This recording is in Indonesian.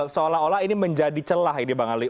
seolah olah ini menjadi celah ini bang ali